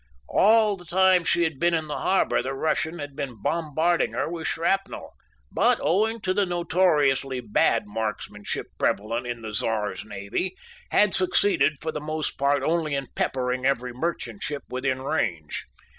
All the time she had been in the harbor the Russian had been bombarding her with shrapnel, but, owing to the notoriously bad marksmanship prevalent in the Czar's navy, had succeeded for the most part only in peppering every merchant ship within range.